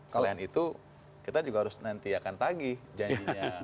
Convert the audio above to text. selain itu kita juga harus nantiakan tagih janjinya